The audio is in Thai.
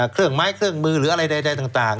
เครื่องไม้เครื่องมือหรืออะไรใดต่าง